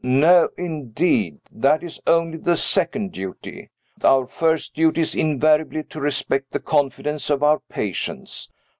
"No, indeed. That is only the second duty. Our first duty is invariably to respect the confidence of our patients.